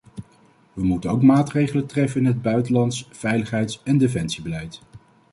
We moeten ook maatregelen treffen in het buitenlands, veiligheids- en defensiebeleid.